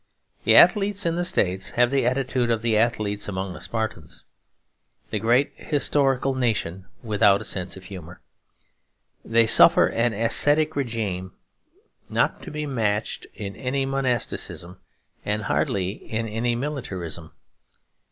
The athletes in the States have the attitude of the athletes among the Spartans, the great historical nation without a sense of humour. They suffer an ascetic régime not to be matched in any monasticism and hardly in any militarism.